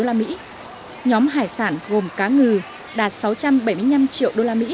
nhóm hải sản gồm cá ngừ đạt sáu trăm bảy mươi năm triệu usd